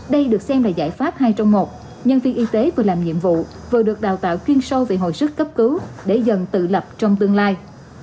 đây được xem là giải pháp hai trong một nhân viên y tế vừa làm nhiệm vụ vừa được đào tạo chuyên sâu về hồi sức cấp cứu để dần tự lập trong tương lai